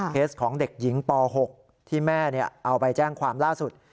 ของเด็กหญิงป๖ที่แม่เอาไปแจ้งความล่าสุด